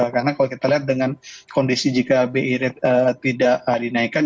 karena kalau kita lihat dengan kondisi jika bi rate tidak dinaikkan